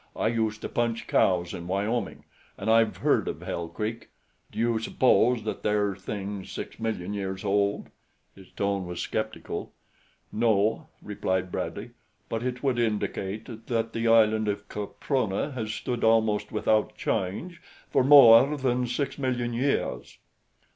"I used to punch cows in Wyoming, an' I've heard of Hell Creek. Do you s'pose that there thing's six million years old?" His tone was skeptical. "No," replied Bradley; "But it would indicate that the island of Caprona has stood almost without change for more than six million years."